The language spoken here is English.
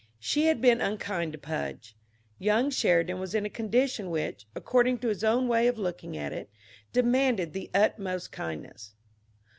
She had been unkind to Pudge. Young Sheridan was in a condition which, according to his own way of looking at it, demanded the utmost kindness.